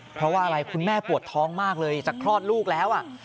เพราะว่าอะไรคุณแม่ปวดท้องมากเลยจากคลอดลูกแล้ว